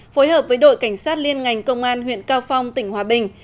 phối hợp với đội cảnh sát liên ngành công an huyện cao phong tỉnh hòa bình